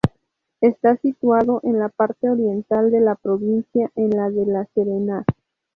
Está situado en la parte oriental de la provincia, en la de La Serena.